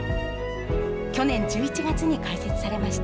去年１１月に開設されました。